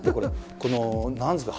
この何ですか？